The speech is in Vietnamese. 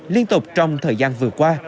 liên tục trong thời gian vừa qua